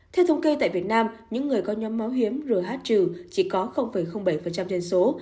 theo thông kê tại việt nam những người có nhóm máu hiếm gh trừ chỉ có bảy trên số